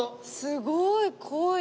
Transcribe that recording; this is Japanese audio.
すごい濃い。